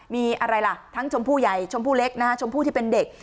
มีอะไรล่ะทั้งชมผู้ใหญ่ชมพู่เล็กนะฮะชมพู่ที่เป็นเด็ก